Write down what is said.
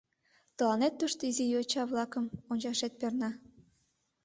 Тыланет тушто изи йоча-влакым ончашет перна.